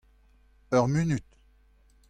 Ur munud.